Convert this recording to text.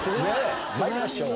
参りましょう。